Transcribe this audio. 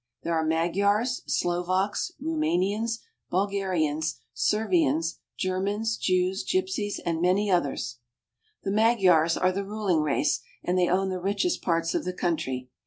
There are Magyars, Slovaks, Roumanians, Bulgarians, Servians, Germans, Jews, gypsies, and many others. The Magyars are the ruling race, and they own the richest parts of the country.